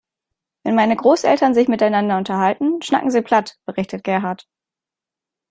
Wenn meine Großeltern sich miteinander unterhalten, schnacken sie platt, berichtet Gerhard.